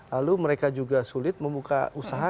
lalu mereka juga sulit membuka usaha